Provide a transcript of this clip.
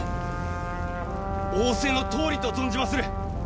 仰せのとおりと存じまする！